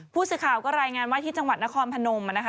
ผู้สื่อข่าวก็รายงานว่าที่จังหวัดนครพนมนะคะ